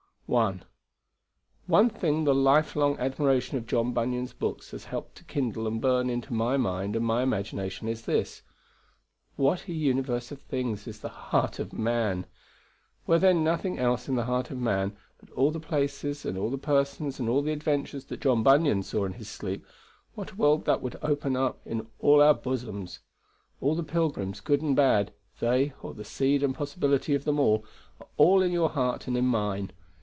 1. One thing the life long admiration of John Bunyan's books has helped to kindle and burn into my mind and my imagination is this: What a universe of things is the heart of man! Were there nothing else in the heart of man but all the places and all the persons and all the adventures that John Bunyan saw in his sleep, what a world that would open up in all our bosoms! All the pilgrims, good and bad they, or the seed and possibility of them all, are all in your heart and in mine.